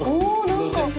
何か。